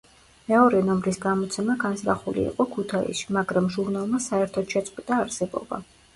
მეორე ნომრის გამოცემა განზრახული იყო ქუთაისში, მაგრამ ჟურნალმა საერთოდ შეწყვიტა არსებობა.